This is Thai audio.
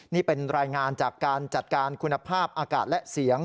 นี่เป็นรายงานจากการจัดการคุณภาพอากาศและเสียง